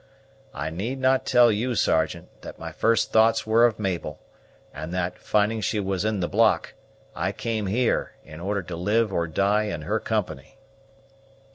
I need not tell you, Sergeant, that my first thoughts were of Mabel; and that, finding she was in the block, I came here, in order to live or die in her company."